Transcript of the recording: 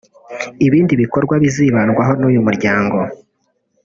Ibindi bikorwa bizibandwaho n’uyu muryango